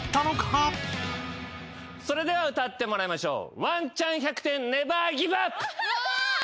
それでは歌ってもらいましょう。